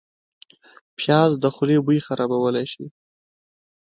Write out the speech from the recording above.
پیاز د خولې بوی خرابولی شي